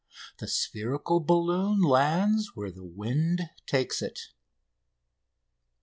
The spherical balloon lands where the wind takes it.